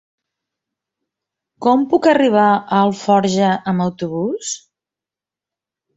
Com puc arribar a Alforja amb autobús?